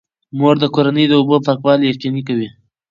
مور د کورنۍ د اوبو پاکوالی یقیني کوي.